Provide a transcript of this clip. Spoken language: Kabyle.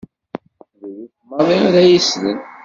Drus maḍi ara yeslen.